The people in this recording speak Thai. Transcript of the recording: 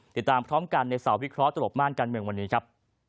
ติดตามพร้อมกันในสาววิเคราะหลบม่านการเมืองวันนี้ครับ